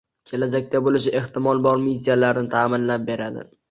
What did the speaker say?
Kelajakda boʻlishi ehtimol bor missiyalarni taʼminlab beradi